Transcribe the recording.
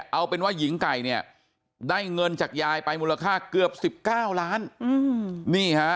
เอาเป็นว่าหญิงไก่เนี่ยได้เงินจากยายไปมูลค่าเกือบ๑๙ล้าน